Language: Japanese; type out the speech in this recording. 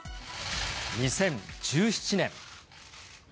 ２０１７年。